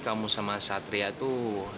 kamu sama satria tuh